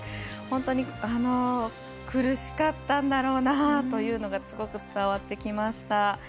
本当に苦しかったんだろうなというのがすごく伝わってきました。